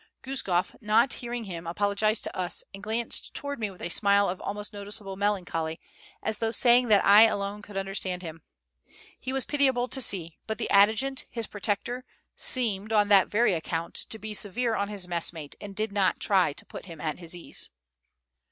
Guskof, not hearing him, apologized to us, and glanced toward me with a smile of almost noticeable melancholy, as though saying that I alone could understand him. He was pitiable to see; but the adjutant, his protector, seemed, on that very account, to be severe on his messmate, and did not try to put him at his ease.